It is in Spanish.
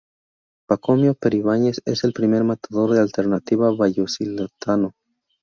Pacomio Peribáñez es el primer matador de alternativa vallisoletano.